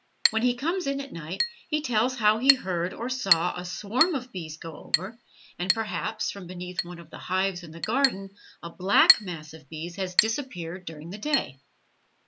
When he comes in at night he tells how he heard or saw a swarm of bees go over; and, perhaps from beneath one of the hives in the garden a black mass of bees has disappeared during the day.